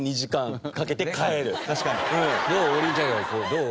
どう？